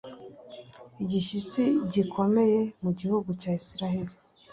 igishyitsi gikomeye mu gihugu cya isirayeli